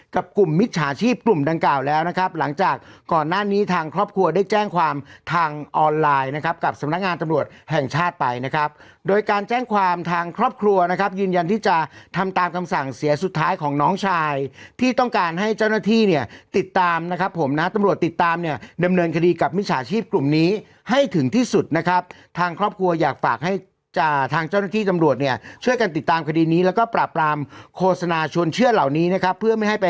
กับกลุ่มมิจฉาชีพกลุ่มดังกล่าวแล้วนะครับหลังจากก่อนหน้านี้ทางครอบครัวได้แจ้งความทางออนไลน์นะครับกับสำนักงานตำรวจแห่งชาติไปนะครับโดยการแจ้งความทางครอบครัวนะครับยืนยันที่จะทำตามคำสั่งเสียสุดท้ายของน้องชายที่ต้องการให้เจ้าหน้าที่เนี่ยติดตามนะครับผมนะฮะตำรวจติดตามเนี่ยดํ